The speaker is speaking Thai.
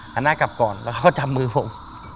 หันหน้ากลับก่อนแล้วเขาก็จำมือผม